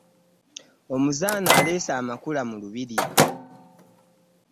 Omuzaana aleese amakula mu lubiri.